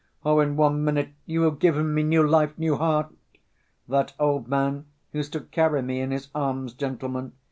Oh, in one minute you have given me new life, new heart!... That old man used to carry me in his arms, gentlemen.